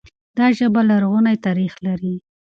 دا ژبه لرغونی تاريخ لري.